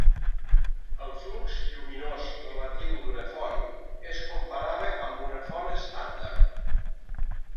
El flux lluminós relatiu d'una font es comparava amb una font estàndard.